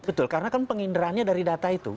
betul karena kan penginderannya dari data itu